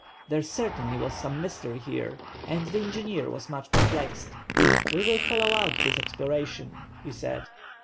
There certainly was some mystery here, and the engineer was much perplexed. "We will follow out this exploration," he said.